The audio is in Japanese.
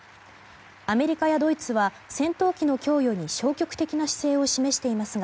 アメリカやドイツは戦闘機の供与に消極的な姿勢を示していますが